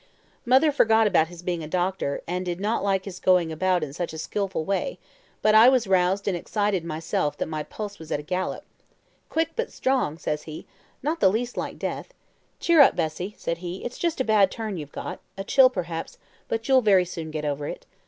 Mother forgot about his being a doctor, and did not like his going about in such a skilful way; but I was so roused and excited myself that my pulse was at the gallop. 'Quick, but strong,' says he; 'not the least like death. Cheer up, Bessie,' said he, 'it's just a bad turn you've got a chill, perhaps, but you'll very soon get over it.